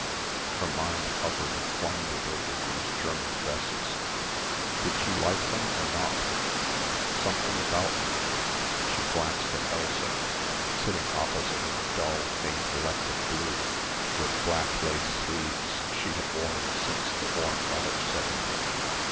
Her mind hovered and wondered over these German dresses did she like them or not something about them she glanced at Elsa, sitting opposite in the dull faint electric blue with black lace sleeves she had worn since the warm weather set in.